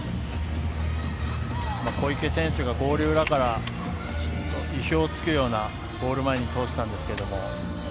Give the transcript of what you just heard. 小池選手からゴール裏から意表を突くようなゴール前に通したんですけど。